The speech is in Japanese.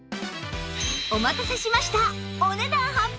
お待たせしました！